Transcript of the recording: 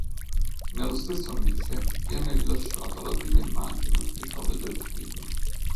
Nello stesso mese viene rilasciata la prima immagine ufficiale del film.